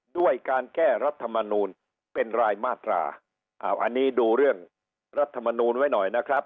ด้วยการแก้รัฐมนูลเป็นรายมาตราอ่าอันนี้ดูเรื่องรัฐมนูลไว้หน่อยนะครับ